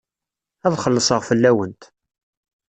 Ad xellṣeɣ fell-awent.